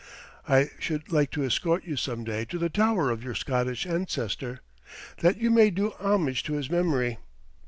I should like to escort you some day to the tower of your Scottish ancestor, that you may do homage to his memory."